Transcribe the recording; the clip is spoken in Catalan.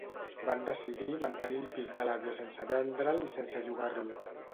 Van decidir mantenir el pis de l'àvia sense vendre'l i sense llogar-lo.